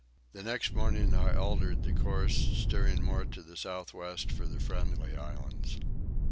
The next morning I altered the course, steering more to the westward for the Friendly Islands.